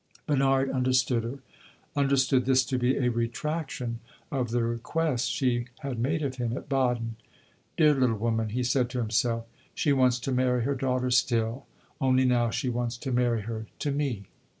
Bernard understood her understood this to be a retraction of the request she had made of him at Baden. "Dear little woman," he said to himself, "she wants to marry her daughter still only now she wants to marry her to me!"